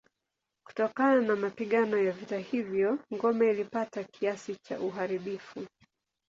Kutokana na mapigano ya vita hivyo ngome ilipata kiasi cha uharibifu.